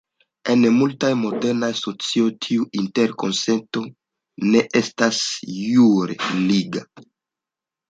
En multaj modernaj socioj tiu interkonsento ne estas jure liga.